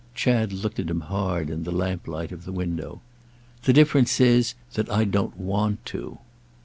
Chad looked at him hard in the lamplight of the window. "The difference is that I don't want to."